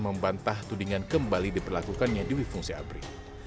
membantah tudingan kembali diperlakukannya di wifungsi abri